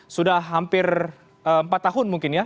sudah hampir empat tahun mungkin ya